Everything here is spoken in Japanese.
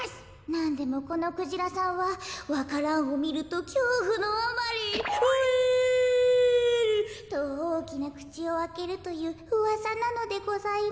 なんでもこのクジラさんはわか蘭をみるときょうふのあまりホエールとおおきなくちをあけるといううわさなのでございます。